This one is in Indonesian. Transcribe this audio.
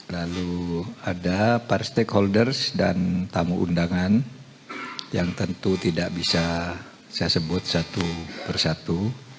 lalu ada para stakeholders dan tamu undangan yang tentu tidak bisa saya sebut satu persatu